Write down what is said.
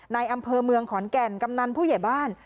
ในอำเภอเมืองขอนแก่นกำนันผู้ใหญ่บ้าน